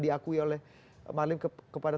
diakui oleh marlim kepada